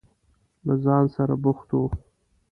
له ځان سره بوخت و.